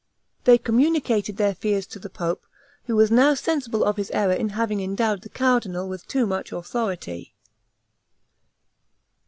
They communicated their fears to the pope, who was now sensible of his error in having endowed the cardinal with too much authority.